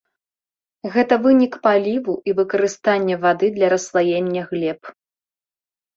Гэта вынік паліву і выкарыстання вады для расслаення глеб.